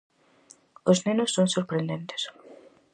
Os nenos son sorprendentes.